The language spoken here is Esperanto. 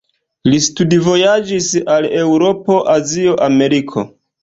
Li studvojaĝis al Eŭropo, Azio, Ameriko.